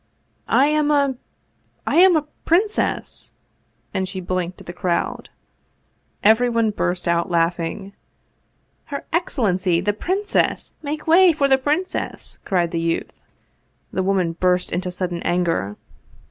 " I am a I am a princess," and she blinked at the crowd. Everyone burst out laughing. " Her Excellency, the Princess ! Make way for the Princess !" cried the youth. The old woman burst into sudden anger.